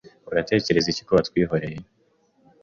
Uratekereza iki?ko watwihoreye